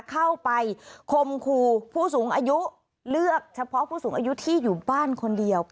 เข้าไปคมคู่สูงอายุเลือกเฉพาะผู้สูงอายุที่อยู่บ้านคนเดียว